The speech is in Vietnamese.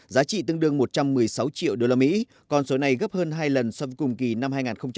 giá trị tương đương một trăm một mươi sáu triệu usd con số này gấp hơn hai lần so với cùng kỳ năm hai nghìn một mươi tám